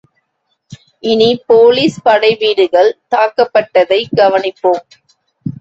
இனி போலிஸ் படைவீடுகள் தாக்கப்பட்டதைக் கவனிப்போம்.